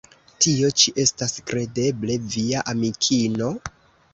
Tio ĉi estas kredeble via amikino?